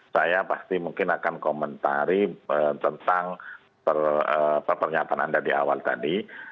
saya pasti mungkin akan komentari tentang perpernyataan anda di awal tadi